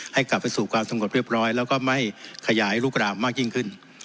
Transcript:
ให้กลับไปสู่ความสงบเรียบร้อยแล้วก็ไม่ขยายลุกรามมากยิ่งขึ้น